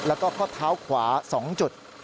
แล้วก็ข้อเท้าขวา๒จุด